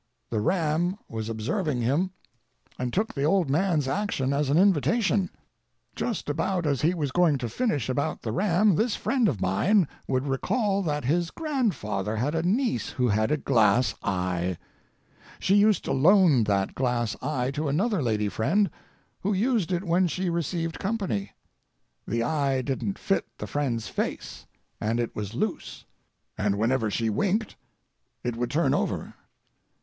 The ram was observing him, and took the old man's action as an invitation. Just as he was going to finish about the ram this friend of mine would recall that his grandfather had a niece who had a glass eye. She used to loan that glass eye to another lady friend, who used it when she received company. The eye didn't fit the friend's face, and it was loose. And whenever she winked it would turn over.